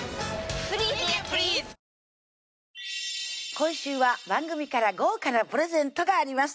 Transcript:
今週は番組から豪華なプレゼントがあります